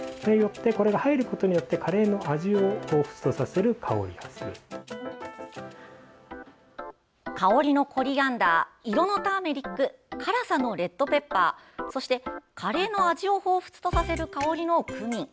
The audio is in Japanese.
これが入ることによってカレーの味をほうふつとさせる香りのコリアンダー色のターメリック辛さのレッドペッパーそして、カレーの味をほうふつとさせる香りのクミン。